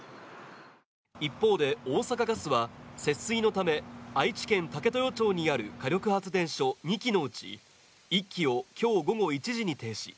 一方で、大阪ガスは節水のため、愛知県武豊町にある火力発電所２基のうち１基を今日午後１時に停止。